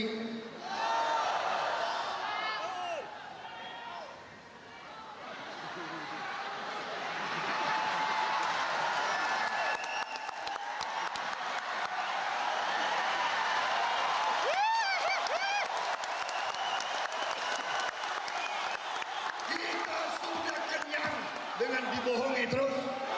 kita sudah kenyang dengan dibohongi terus